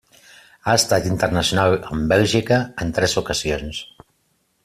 Ha estat internacional amb Bèlgica en tres ocasions.